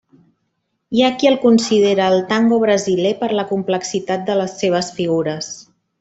Hi ha qui el considera el tango brasiler per la complexitat de les seves figures.